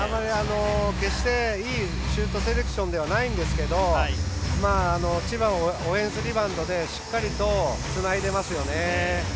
決して、いいシュートセレクションではないんですけど千葉はオフェンスリバウンドでしっかりとつないでますよね。